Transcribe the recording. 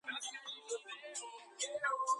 მარცვალა თითქმის ყველა მარცვლოვანს აქვს.